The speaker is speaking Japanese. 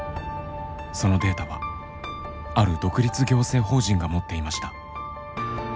そのデータはある独立行政法人が持っていました。